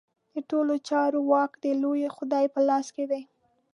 د ټولو چارو واک د لوی خدای په لاس کې دی.